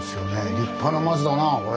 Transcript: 立派な松だなこれ。